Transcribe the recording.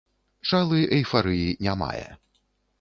Чалы эйфарыі не мае.